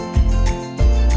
wah enak banget